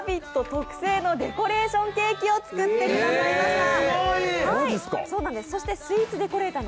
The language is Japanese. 特製のデコレーションケーキを作ってくださいました。